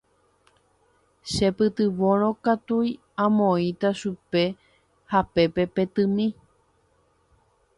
Chepytyvõrõ katui amoĩta chupe hapépe petỹmi.